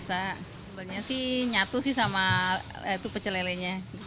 sambelnya sih nyatu sama pecah lele nya